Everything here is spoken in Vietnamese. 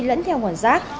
lẫn theo nguồn rác